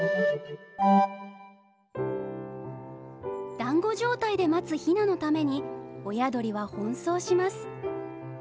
団子状態で待つヒナのために親鳥は奔走します。